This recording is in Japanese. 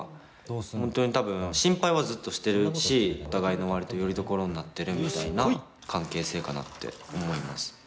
本当に多分心配はずっとしてるしお互いの割とよりどころになってるみたいな関係性かなって思います。